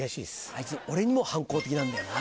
あいつ俺にも反抗的なんだよな。